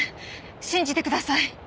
信じてください！